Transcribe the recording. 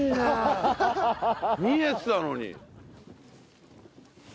見えてたのに。